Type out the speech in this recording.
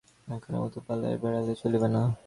এখনকার মতো পালাইয়া বেড়াইলে চলিবে না।